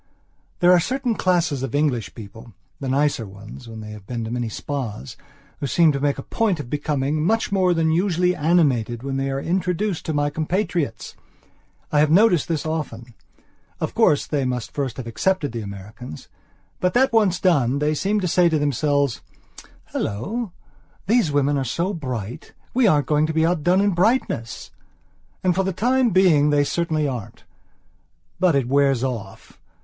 There are certain classes of English peoplethe nicer ones when they have been to many spas, who seem to make a point of becoming much more than usually animated when they are introduced to my compatriots. I have noticed this often. Of course, they must first have accepted the Americans. But that once done, they seem to say to themselves: "Hallo, these women are so bright. We aren't going to be outdone in brightness." And for the time being they certainly aren't. But it wears off.